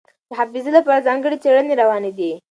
د حافظې لپاره ځانګړې څېړنې روانې دي.